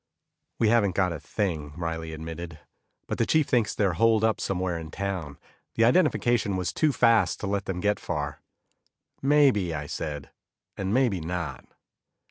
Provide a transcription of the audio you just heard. "We haven't got a thing," Riley admitted, "but the chief thinks they're holed up somewhere in town. The identification was too fast to let them get far." "Maybe," I said, "and maybe not."